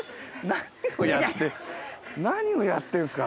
何をやってんすか。